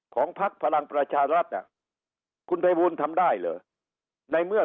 ของภักดิ์พลังประชารัฐน่ะคุณภัยบูลทำได้หรือในเมื่อ